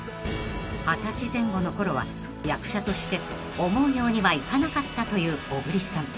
［二十歳前後のころは役者として思うようにはいかなかったという小栗さん］